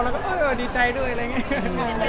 แล้วก็เออดีใจด้วยอะไรอย่างนี้